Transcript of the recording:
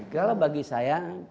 kalau bagi saya